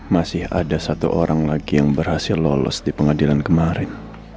masih ada satu orang lagi yang berhasil lolos di pengadilan kemarin